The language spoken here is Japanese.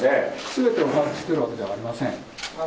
すべてを把握しているわけではありません。